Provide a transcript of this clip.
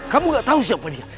kamu gak tahu siapa dia